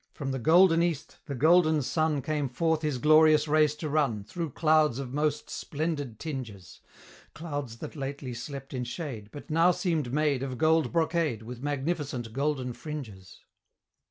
From the Golden East, the Golden Sun Came forth his glorious race to run, Through clouds of most splendid tinges; Clouds that lately slept in shade, But now seem'd made Of gold brocade, With magnificent golden fringes.